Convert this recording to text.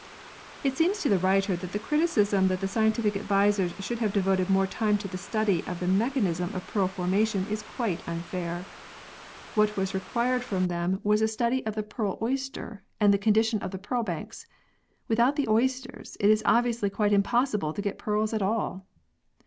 It seems to the writer that the criticism that the scientific advisers should have devoted more time to the study of the mechanism of pearl formation is quite unfair. What was required from them was a x] PEARLS AND SCIENCE 137 study of the pearl oyster and the condition of the pearl banks. Without the oysters, it is obviously quite impossible to get pearls at all.